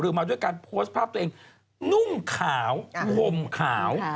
มาด้วยการโพสต์ภาพตัวเองนุ่งขาวห่มขาว